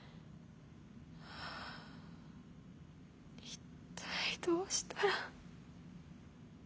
一体どうしたら。